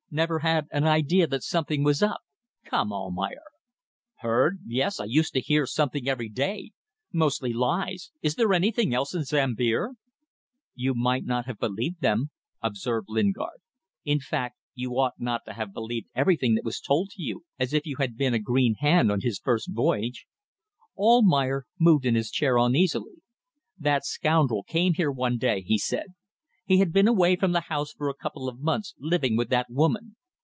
Never had an idea that something was up? Come, Almayer!" "Heard! Yes, I used to hear something every day. Mostly lies. Is there anything else in Sambir?" "You might not have believed them," observed Lingard. "In fact you ought not to have believed everything that was told to you, as if you had been a green hand on his first voyage." Almayer moved in his chair uneasily. "That scoundrel came here one day," he said. "He had been away from the house for a couple of months living with that woman.